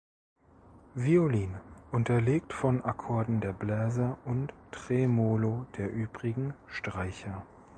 Violine, unterlegt von Akkorden der Bläser und Tremolo der übrigen Streicher.